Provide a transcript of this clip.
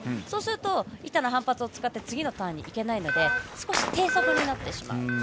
そうすると板の反発を使って次のターンにいけないので少し低速になってしまう。